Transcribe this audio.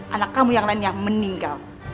anak kamu yang lainnya meninggal